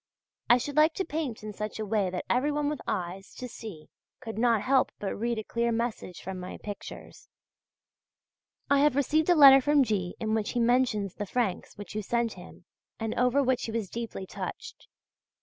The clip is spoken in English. I should like to paint in such a way that everyone with eyes to see could not help but read a clear message from my pictures. I have received a letter from G. in which he mentions the francs which you sent him and over which he was deeply touched.